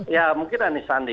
ya mungkin anis sandi